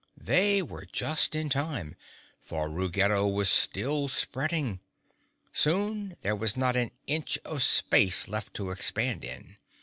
They were just in time, for Ruggedo was still spreading. Soon there was not an inch of space left to expand in.